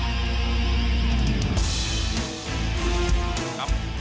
ต่อไปจากเข้ามาจากผู้ต้องเตียมรวมไปจากมุมแดง